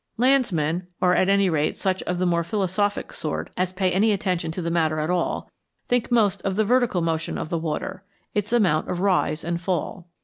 Landsmen, or, at any rate, such of the more philosophic sort as pay any attention to the matter at all, think most of the vertical motion of the water its amount of rise and fall.